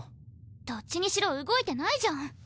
どっちにしろ動いてないじゃん。